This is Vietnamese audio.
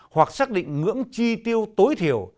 hoặc xác định ngưỡng chi tiêu tối thiểu